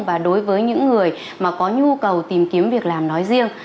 và đối với những người mà có nhu cầu tìm kiếm việc làm nói riêng